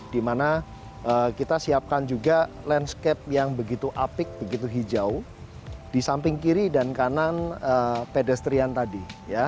dimana kita siapkan juga landscape yang begitu apik begitu hijau di samping kiri dan kanan pedestrian tadi